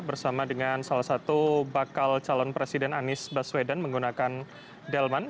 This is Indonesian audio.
bersama dengan salah satu bakal calon presiden anies baswedan menggunakan delman